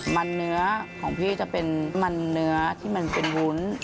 มันเนื้อของพี่จะเป็นมันเนื้อที่มันเป็นวุ้น